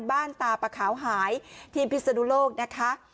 ตาปะขาวหายที่พิศนุโลกนะคะ